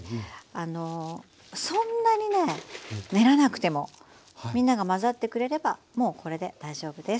あのそんなにね練らなくてもみんながまざってくれればもうこれで大丈夫です。